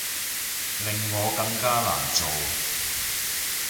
令我更加難做